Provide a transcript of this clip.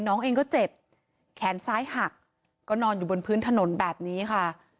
น้องเองก็เจ็บแขนซ้ายหักก็นอนอยู่บนพื้นถนนแบบนี้ค่ะ